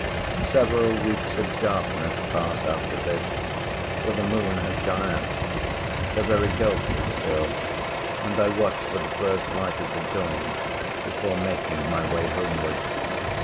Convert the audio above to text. Several weeks of darkness pass after this. For the Moon has gone out. The very dogs are still, and I watch for the first light of the dawn before making my way homeward.